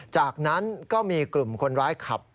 จากนั้นก็มีกลุ่มคนร้ายขับ